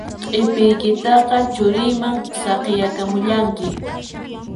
Q'ipiykitaqa churiyman saqiyakamullanki